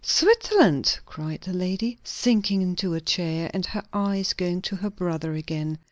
"Switzerland!" cried the lady, sinking into a chair, and her eyes going to her brother again.